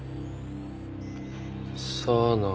さあな。